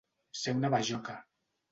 Ser una bajoca.